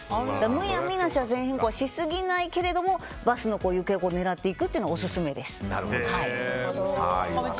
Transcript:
むやみな車線変更はしすぎないけれどもバスの車線を狙っていくのもオススメです。